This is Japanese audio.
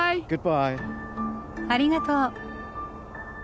ありがとう。